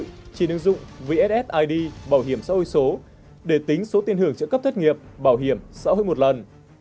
ứng dụng trên ứng dụng vssid bảo hiểm xã hội số để tính số tiền hưởng trợ cấp thất nghiệp bảo hiểm xã hội một lần